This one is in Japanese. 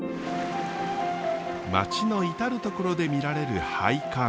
町の至る所で見られる配管。